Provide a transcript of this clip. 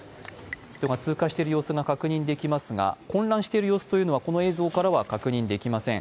人が通過している様子が確認できますが、混乱している様子というのはこの映像からは確認できません。